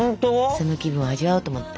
その気分を味わおうと思って。